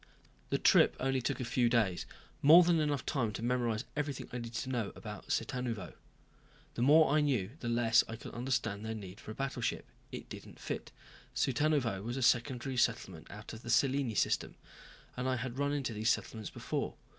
The trip took only a few days, more than enough time to memorize everything I needed to know about Cittanuvo. And the more I knew the less I could understand their need for a battleship. It didn't fit. Cittanuvo was a secondary settlement out of the Cellini system, and I had run into these settlements before.